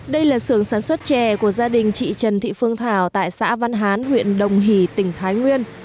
đây là sưởng sản xuất chè của gia đình chị trần thị phương thảo tại xã văn hán huyện đồng hỷ tỉnh thái nguyên